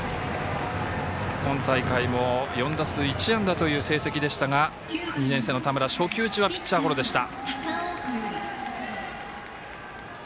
今大会も４打数１安打という成績でしたが、２年生の田村初球打ちはピッチャーゴロでした。